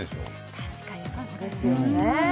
確かにそうですよね。